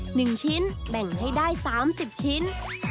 หนึ่งชิ้นแบ่งให้ได้๓๐ชิ้น